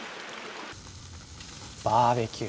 バーベキュー。